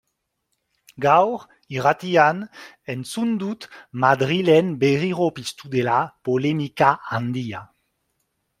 Gaur, irratian, entzun dut Madrilen berriro piztu dela polemika handia.